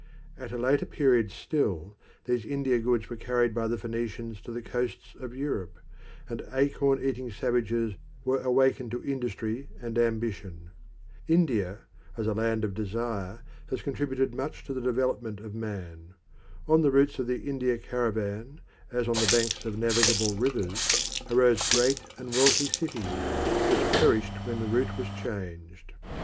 At a later period still these India goods were carried by the Phoenicians to the coasts of Europe, and acorn eating savages were awakened to industry and ambition. India, as a "land of desire," has contributed much to the development of man. On the routes of the India caravan, as on the banks of navigable rivers, arose great and wealthy cities, which perished when the route was changed.